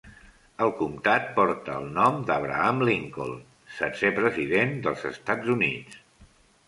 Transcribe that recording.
El comtat porta el nom d'Abraham Lincoln, setzè president dels Estats Units.